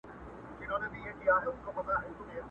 نور پر کمبله راته مه ږغوه٫